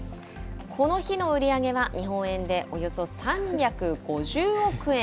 この日の売り上げは、日本円でおよそ３５０億円。